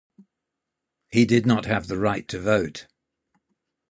He did not have the right to vote.